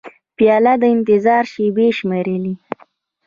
پیاله د انتظار شېبې شمېري.